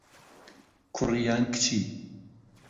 کوڕی یان کچی؟